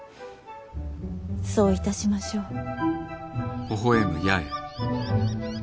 そういたしましょう。